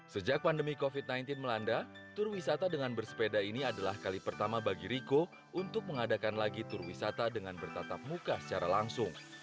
sejak pandemi covid sembilan belas melanda tur wisata dengan bersepeda ini adalah kali pertama bagi riko untuk mengadakan lagi tur wisata dengan bertatap muka secara langsung